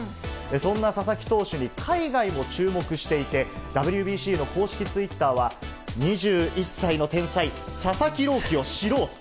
そんな佐々木投手に、海外も注目していて、ＷＢＣの公式ツイッターは、２１歳の天才、ササキロウキを知ろう。